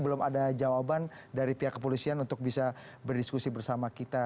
belum ada jawaban dari pihak kepolisian untuk bisa berdiskusi bersama kita